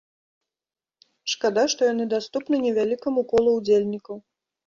Шкада, што яны даступны невялікаму колу ўдзельнікаў.